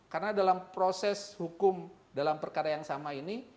karena dalam proses hukum dalam perkara yang sama ini